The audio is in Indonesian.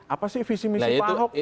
apa sih visi misi pak ahok